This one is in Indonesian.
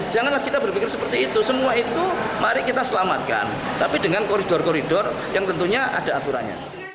janganlah kita berpikir seperti itu semua itu mari kita selamatkan tapi dengan koridor koridor yang tentunya ada aturannya